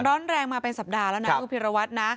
ร้อนแรงมาเป็นสัปดาห์แล้วนะคุณพิรวัตรนะ